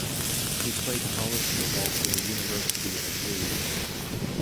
He played college football for the University of Louisville.